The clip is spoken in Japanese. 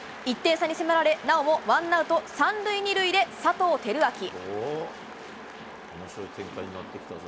１点差に迫られなおもワンアウト３塁２塁で佐藤輝明。